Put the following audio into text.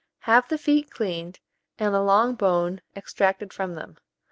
Have the feet cleaned, and the long bone extracted from them.